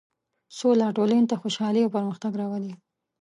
سوله ټولنې ته خوشحالي او پرمختګ راولي.